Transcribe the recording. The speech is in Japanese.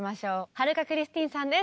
春香クリスティーンさんです。